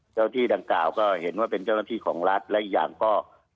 เจ้าที่ดังกล่าวก็เห็นว่าเป็นเจ้าหน้าที่ของรัฐและอีกอย่างก็